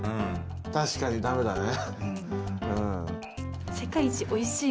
確かに駄目だね。